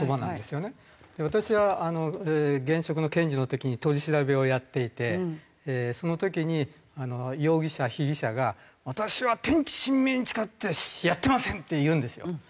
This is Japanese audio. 私は現職の検事の時に取り調べをやっていてその時に容疑者被疑者が「私は天地神明に誓ってやってません！」って言うんですよ。